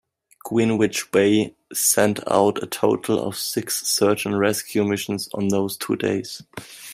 "Greenwich Bay" sent out a total of six search-and-rescue missions on those two days.